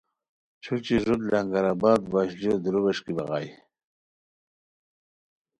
چھوچی ݱوت لنگر آباد وشلیو دُورووݰکی بغائے